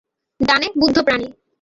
ডানে, বুদ্ধু প্রাণী।